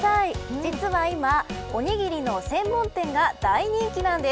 実は今おにぎりの専門店が大人気なんです。